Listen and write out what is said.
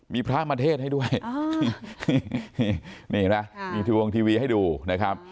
มีพระมาเทศให้ด้วยนี่เห็นไหมมีทีวงทีวีให้ดูนะครับ